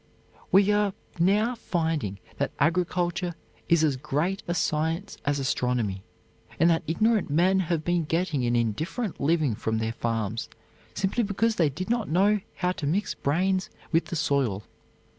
We are now finding that agriculture is as great a science as astronomy, and that ignorant men have been getting an indifferent living from their farms simply because they did not know how to mix brains with the soil.